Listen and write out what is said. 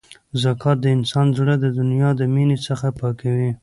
زکات د انسان زړه د دنیا د مینې څخه پاکوي.